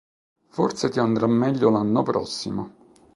Forse ti andrà meglio l'anno prossimo.